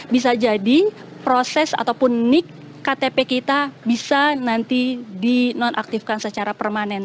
bisa jadi proses ataupun nik ktp kita bisa nanti dinonaktifkan secara permanen